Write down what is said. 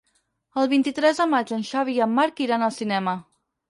El vint-i-tres de maig en Xavi i en Marc iran al cinema.